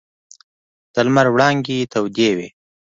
د لمر وړانګې تودې وې.